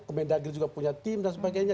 kemendagri juga punya tim dan sebagainya